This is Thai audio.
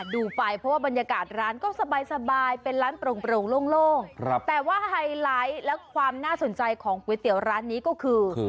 ดูไปเพราะว่าบรรยากาศร้านก็สบายเป็นร้านโปร่งโล่งแต่ว่าไฮไลท์และความน่าสนใจของก๋วยเตี๋ยวร้านนี้ก็คือ